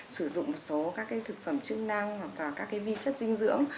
sử dụng một số thực phẩm chức năng vi chất dinh dưỡng